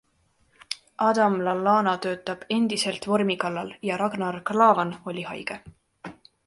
Adam Lallana töötab endiselt vormi kallal ja Ragnar Klavan oli haige.